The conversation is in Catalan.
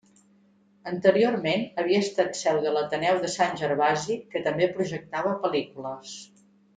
Anteriorment havia estat seu de l'Ateneu de Sant Gervasi, que també projectava pel·lícules.